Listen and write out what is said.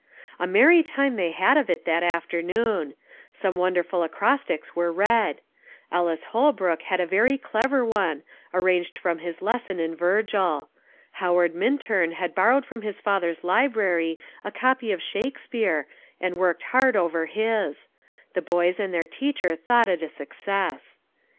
A merry time they had of it that afternoon. Some wonderful acrostics were read. Ellis Holbrook had a very clever one, arranged from his lesson in Virgil. Howard Minturn had borrowed from his father's library a copy of Shakespeare, and worked hard over his; the boys and their teacher thought it a success.